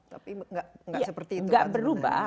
tapi tidak seperti itu tidak berubah